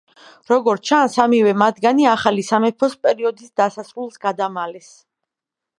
როგორც ჩანს, სამივე მათგანი ახალი სამეფოს პერიოდის დასასრულს გადამალეს.